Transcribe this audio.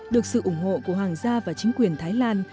được sự ủng hộ của hoàng gia và chính quyền thái lan